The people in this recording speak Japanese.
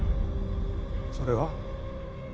それは？